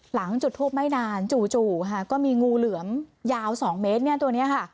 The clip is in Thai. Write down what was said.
หลังจุดทูบไม่นานจู่ก็มีงูเหลือมยาว๒เมตร